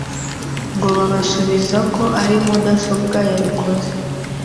ngo babasubiza ko ari mudasobwa yabikoze